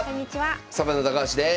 サバンナ高橋です。